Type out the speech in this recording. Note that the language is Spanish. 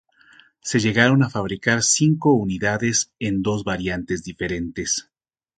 Se llegaron a fabricar cinco unidades en dos variantes diferentes.